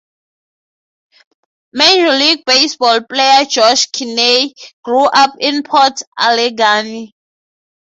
Major League Baseball player Josh Kinney grew up in Port Allegany.